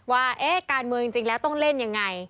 ว่าการเมืองจริงแล้วต้องเล่นยังไง